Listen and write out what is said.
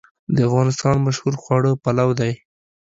د افغانستان مشهور خواړه پلو دی